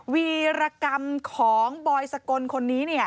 วีรกรรมของบอยสกลคนนี้เนี่ย